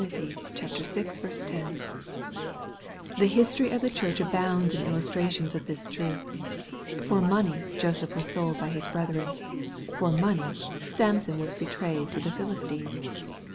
n. 10.) The historyof the Church abounds in illustrations of this truth. For money Joseph was sold by his brethren* For money Samson was betrayed to the Philistines.